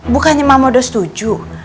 bukannya mama udah setuju